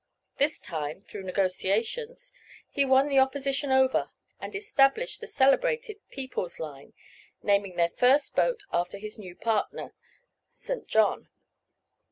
This time, through negotiations, he won the opposition over and established the celebrated "People's Line," naming their first boat after his new partner, "St. John."